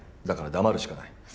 だから黙るしかない。